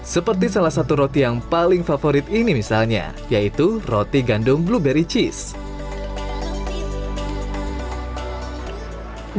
seperti salah satu roti yang paling favorit ini misalnya yaitu roti gandum blueberry cheese